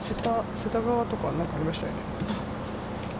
瀬田川とか、何かありましたよね。